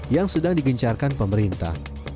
yang sedang digincarkan pemerintah